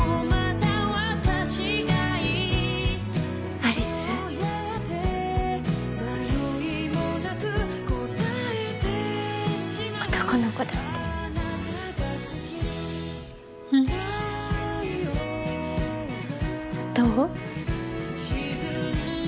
有栖男の子だってうんどう？